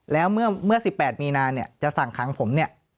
แล้วเมื่อสิบแปดมีนาจะสั่งขังผม